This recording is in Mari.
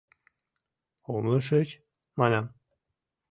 — Умылышыч? — манам.